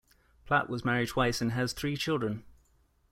Platt was married twice and has three children.